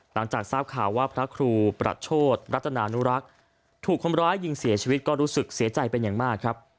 หลังจากทราบข่าวว่าพระครูประโชธรัตนานุรักษ์ถูกคนร้ายยิงเสียชีวิตก็รู้สึกเสียใจเป็นอย่างมากครับ